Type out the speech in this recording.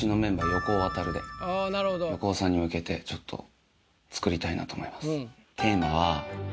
横尾さんに向けてちょっと作りたいなと思います。